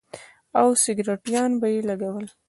او سگرټيان به يې لگول.